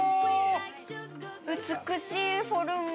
美しいフォルム。